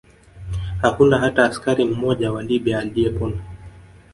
Hakuna hata askari mmoja wa Libya aliyepona